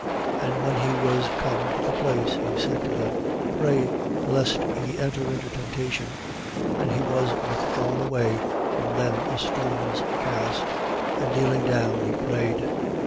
And when he was come to the place, he said to them: Pray, lest ye enter into temptation. 22:41. And he was withdrawn away from them a stone's cast. And kneeling down, he prayed.